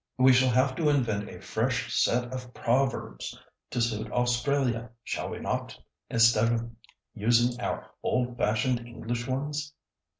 We shall have to invent a fresh set of proverbs to suit Australia, shall we not, instead of using our old fashioned English ones?"